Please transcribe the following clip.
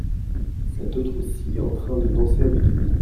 Cette autre -ci en train de danser avec lui !